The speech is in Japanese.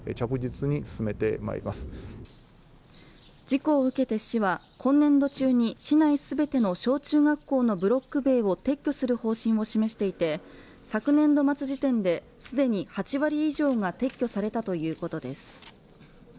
事故を受けて市は今年度中に、市内全ての小中学校のブロック塀を撤去する方針を示していて、昨年度末時点で既に８割以上が撤去されたということです。